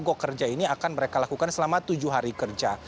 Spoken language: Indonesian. go kerja ini akan mereka lakukan selama tujuh hari kerja